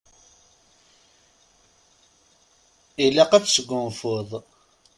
Ilaq ad tesgunfuḍ.